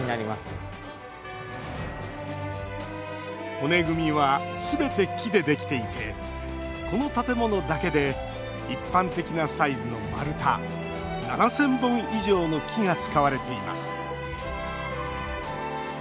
骨組みはすべて、木でできていてこの建物だけで一般的なサイズの丸太７０００本以上の木が使われています。